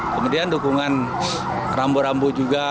kemudian dukungan rambu rambu juga